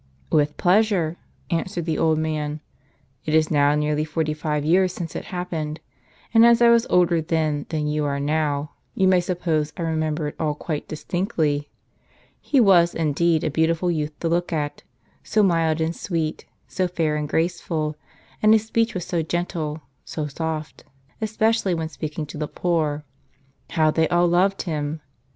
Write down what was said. " With pleasure," answered the old man. " It is now nearly forty five years since it happened,* and as I was older then than you are now, you may suppose I remember all quite dis tinctly. He was indeed a beautiful youth to look at : so mild and sweet, so fair and graceful ; and his speech was so gentle, so soft, especially when speaking to the poor. How they all loved him !